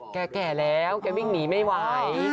แก่แก่แล้วแกวิ่งหนีไม่ไหว